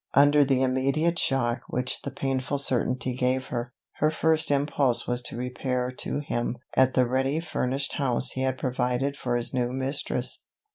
Under the immediate shock which the painful certainty gave her, her first impulse was to repair to him at the ready furnished house he had provided for his new mistress.